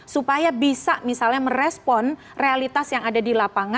supaya bisa misalnya merespon realitas yang ada di lapangan